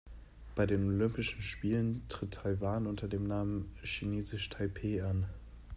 Bei den Olympischen Spielen tritt Taiwan unter dem Namen „Chinesisch Taipeh“ an.